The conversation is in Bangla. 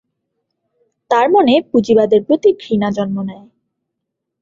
তার মনে পুঁজিবাদের প্রতি ঘৃণা জন্ম নেয়।